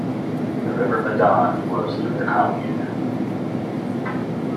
The river Madon flows through the commune.